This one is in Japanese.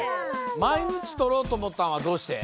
まいにちとろうと思ったんはどうして？